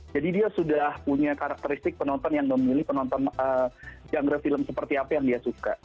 jadi dia sudah punya karakteristik penonton yang memilih penonton genre film seperti apa yang dia suka